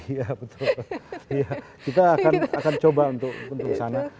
iya betul kita akan coba untuk kesana